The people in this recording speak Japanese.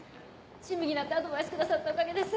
親身になってアドバイスくださったおかげです！